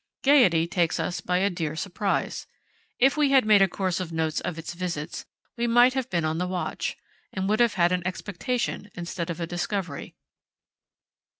Gaiety takes us by a dear surprise. If we had made a course of notes of its visits, we might have been on the watch, and would have had an expectation instead of a discovery.